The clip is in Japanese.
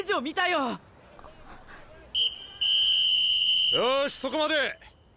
よしそこまで！